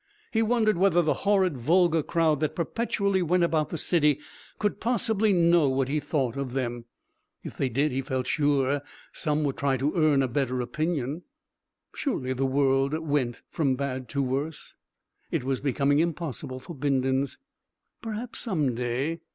He wondered whether the horrid vulgar crowd that perpetually went about the city could possibly know what he thought of them. If they did he felt sure some would try to earn a better opinion. Surely the world went from bad to worse. It was becoming impossible for Bindons. Perhaps some day